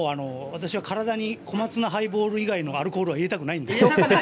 もう私は体に小松菜ハイボール以外のアルコールは入れたくないので。